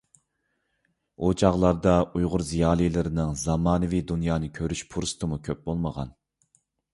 ئۇ چاغلاردا ئۇيغۇر زىيالىيلىرىنىڭ زامانىۋى دۇنيانى كۆرۈش پۇرسىتىمۇ كۆپ بولمىغان.